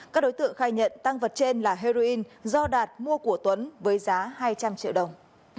các đối tượng khai nhận tăng vật trên là heroin do đạt mua của tuấn với giá hai trăm linh triệu đồng